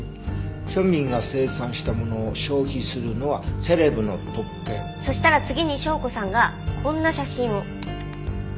「庶民が生産したものを消費するのはセレブの特権」そしたら次に紹子さんがこんな写真を。